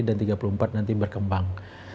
dan tiga puluh empat nanti berkembang